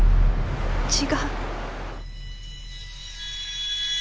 違う。